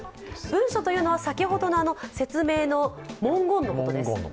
文書というのは先ほどの説明の文言のことです。